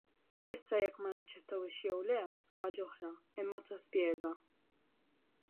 Issa jekk ma naċċettawhiex jew le, ħaġa oħra, imma ta spjega.